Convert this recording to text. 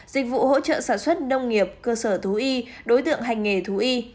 dịch vụ hỗ trợ sản xuất nông nghiệp cơ sở thú y đối tượng hành nghề thú y